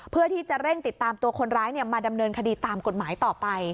เพื่อที่จะเร่งติดตามตัวคนร้ายมาดำเนินคดีตามกฎหมายต่อไป